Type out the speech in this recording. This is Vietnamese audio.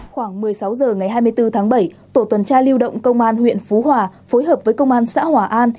khoảng một mươi sáu h ngày hai mươi bốn tháng bảy tổ tuần tra lưu động công an huyện phú hòa phối hợp với công an xã hòa an